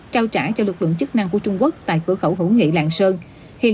trao trả cho lực lượng chức năng của trung quốc tại cửa khẩu hữu nghị lạng sơn hiện